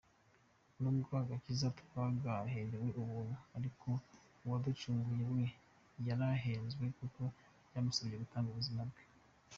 Nubwo agakiza twagaherewe ubuntu ariko Uwaducunguye we yarahenzwe kuko byamusabye gutanga ubuzima bwe.